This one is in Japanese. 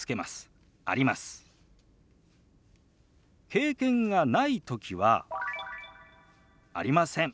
経験がない時は「ありません」。